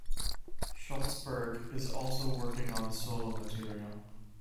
Schultzberg is also working on solo material.